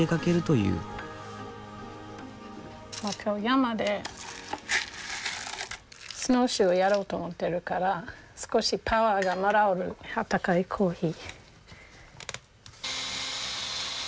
きょう山でスノーシューやろうと思ってるから少しパワーがもらえるあったかいコヒー。